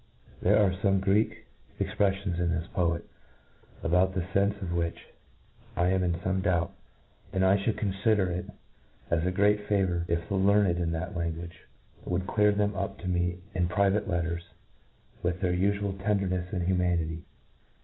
There are fome Greek ex prcflions in this poet, about the fenfe of which I am in fome doubt ; and I Ihould confider it as a great favour if the learned in that language would clear them up to me in private letters, with their ufual tendernefs and humanity.